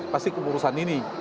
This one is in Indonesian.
pasti kemurusan ini